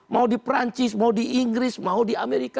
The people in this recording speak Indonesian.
mau di perancis mau di inggris mau di amerika